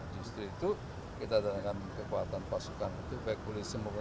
justru itu kita tanyakan kekuatan pasukan untuk pekulis semua